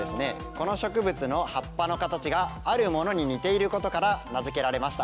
この植物の葉っぱの形があるものに似ていることから名付けられました。